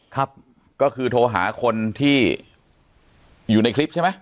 ครับก็คือโทรหาคนที่อยู่ในคลิปใช่ไหม